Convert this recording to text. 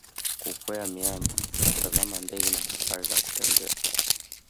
kukwea miamba kutazama ndege na safari za kutembea